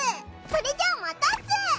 それじゃあまたっす。